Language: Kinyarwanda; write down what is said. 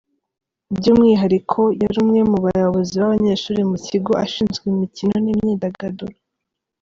By’umwihariko yari umwe mu bayobozi b’abanyeshuri mu kigo, ashinzwe imikino n’imyidagaduro.